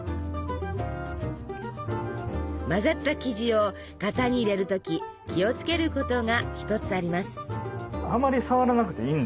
混ざった生地を型に入れる時気を付けることが一つあります。